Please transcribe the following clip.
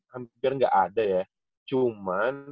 hampir nggak ada ya cuman